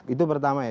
itu pertama ya